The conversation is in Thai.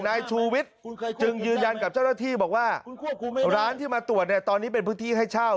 นายชูวิทย์จึงยืนยันกับเจ้าหน้าที่บอกว่าร้านที่มาตรวจเนี่ยตอนนี้เป็นพื้นที่ให้เช่า